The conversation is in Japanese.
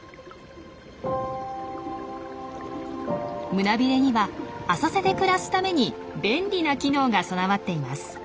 胸びれには浅瀬で暮らすために便利な機能が備わっています。